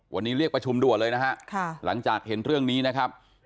วันนี้เรียกประชุมด่วนเลยนะฮะหลังจากเห็นเรื่องนี้นะครับ